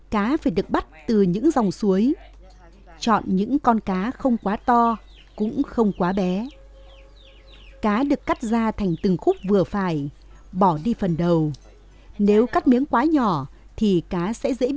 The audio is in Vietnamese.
cá chê nướng đồ xôi là món ăn mang đậm chất văn hóa của cư dân nơi đây